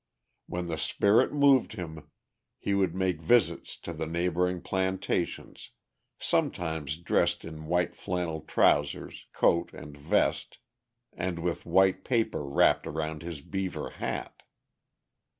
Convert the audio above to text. When the spirit moved him, he would make visits to the neighbouring plantations, sometimes dressed in white flannel trousers, coat, and vest, and with white paper wrapped around his beaver hat!